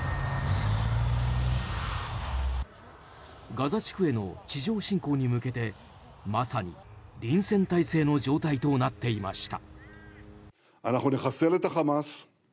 ガザ地区への地上侵攻に向けてまさに臨戦態勢の状態となっていました。